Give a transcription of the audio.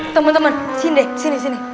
temen temen sini deh sini sini